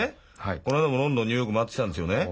この間もロンドンニューヨーク回ってきたんですよね。